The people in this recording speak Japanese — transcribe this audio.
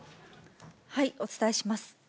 お伝えします。